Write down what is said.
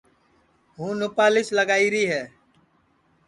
ہوں نُپالیس لگائیری ہے